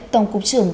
tổng cục trưởng